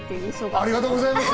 ありがとうございます。